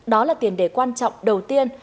đó là tiền đề quan trọng đầu tiên